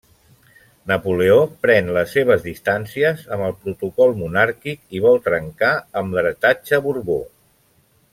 Napoleó pren les seves distàncies amb el protocol monàrquic i vol trencar amb l'heretatge Borbó.